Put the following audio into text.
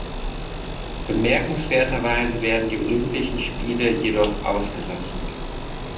Bemerkenswerterweise werden die Olympischen Spiele jedoch ausgelassen.